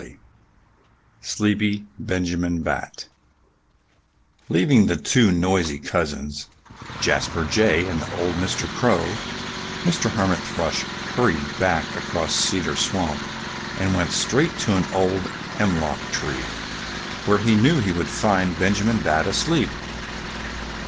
XXIII SLEEPY BENJAMIN BAT LEAVING the two noisy cousins (Jasper Jay and old Mr. Crow) Mr. Hermit Thrush hurried back across Cedar Swamp and went straight to an old hemlock tree, where he knew he would find Benjamin Bat asleep.